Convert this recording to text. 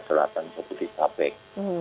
di selatan jabodetabek